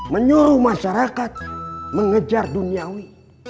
menyuruh masyarakat mengejar duniawi